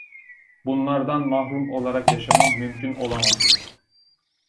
Bunlardan mahrum olarak yaşamam mümkün olamazdı.